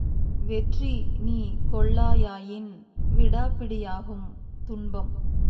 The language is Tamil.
வெற்றிநீ கொள்ளா யாயின் விடாப்பிடி யாகும் துன்பம்.